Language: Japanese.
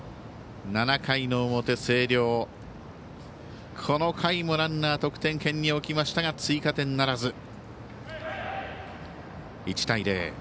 ７回の表、星稜この回もランナーを得点圏に置きましたが追加点ならず。